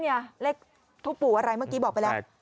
เนี่ยเลขทุบอะไรเมื่อกี้บอกไปแล้วแปด